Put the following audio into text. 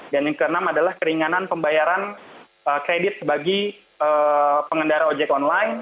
dan yang ke enam adalah keringanan pembayaran kredit bagi pengendara ojek online